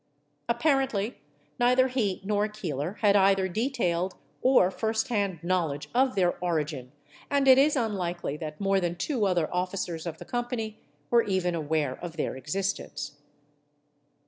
Apparently, neither he nor Keeler had either detailed or firsthand knowledge of their origin, and it is unlikely that more than two other officers of the company were even aware of their existence.